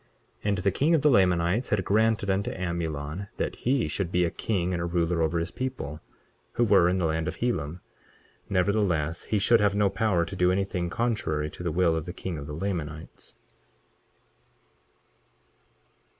23:39 And the king of the Lamanites had granted unto Amulon that he should be a king and a ruler over his people, who were in the land of Helam; nevertheless he should have no power to do anything contrary to the will of the king of the Lamanites.